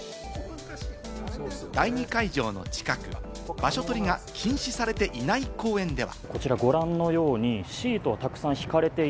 第２会場の近く、場所取りが禁止されていない公園では。